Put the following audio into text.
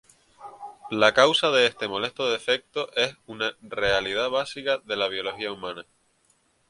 La causa de este molesto defecto es una realidad básica de la biología humana.